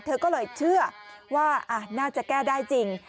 เธอก็เลยเชื่อว่าน่าจะแก้ได้จริง